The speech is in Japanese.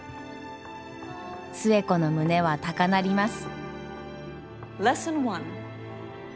寿恵子の胸は高鳴ります。